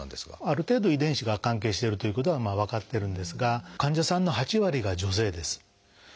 ある程度遺伝子が関係しているということは分かってるんですが患者さんの８割が女性です。